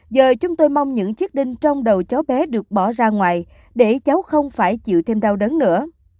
giờ chúng tôi mong những chiếc đinh trong đầu cháu bé được bỏ ra ngoài để cháu không phải chịu thêm đau đớn nữa